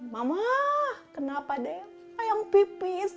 mama kenapa deh ayam pipis